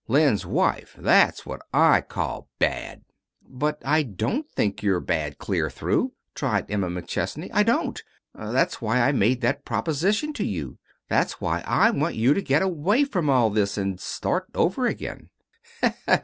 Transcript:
Len's wife that's what I call bad." "But I don't think you're bad clear through," tried Emma McChesney. "I don't. That's why I made that proposition to you. That's why I want you to get away from all this, and start over again."